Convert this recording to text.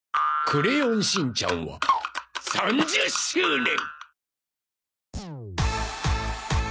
『クレヨンしんちゃん』は３０周年。